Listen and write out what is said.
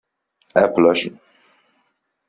App löschen.